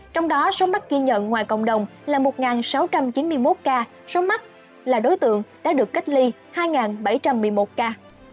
trong đó số mắc ghi nhận ngoài cộng đồng là một sáu trăm chín mươi một ca số mắc là đối tượng đã được cách ly hai bảy trăm một mươi một ca